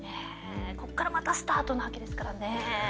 ここからまたスタートなわけですからね。